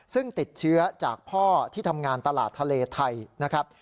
ซึ่งติดเชื้อจากพ่อที่ทำงานตลาดทะเลไทยนะครับ